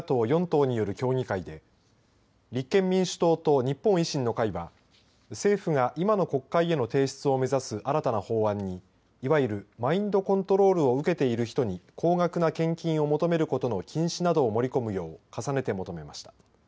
党による協議会で立憲民主党と日本維新の会は政府が今の国会への提出を目指す新たな法案にいわゆるマインドコントロールを受けている人に高額な献金を求めることの禁止などを盛り込むよう重ねて求めました。